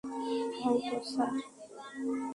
হয়তো, স্যার।